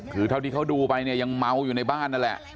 คือเท่าที่เขาดูไปเนี่ยยังเมาอยู่ในบ้านนั่นแหละ